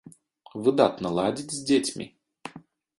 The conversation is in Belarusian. Выдатна ладзіць з дзецьмі.